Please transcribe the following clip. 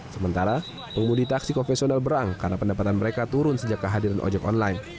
sementara pengemudi taksi konvensional berang karena pendapatan mereka turun sejak kehadiran ojek online